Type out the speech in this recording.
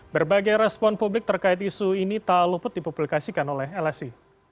berbagai respon publik terkait isu ini tak luput dipublikasikan oleh lsi